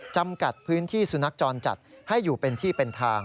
จำกัดพื้นที่สุนัขจรจัดให้อยู่เป็นที่เป็นทาง